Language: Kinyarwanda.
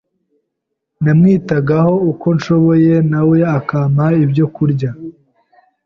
namwitagaho uko nshoboye na we akampa ibyo kurya